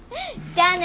じゃあね。